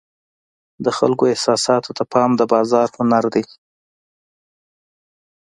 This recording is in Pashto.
د خلکو احساساتو ته پام د بازار هنر دی.